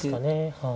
はい。